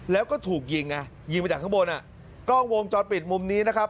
แล้วก็ถูกยิงไงยิงไปจากข้างบนอ่ะกล้องวงจรปิดมุมนี้นะครับ